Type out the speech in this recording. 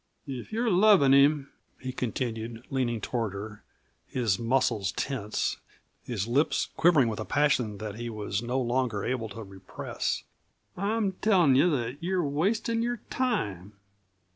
"If you're lovin' him," he continued, leaning toward her, his muscles tense, his lips quivering with a passion that he was no longer able to repress, "I'm tellin' you that you're wastin' your time.